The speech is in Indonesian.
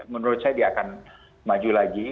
menurut saya dia akan maju lagi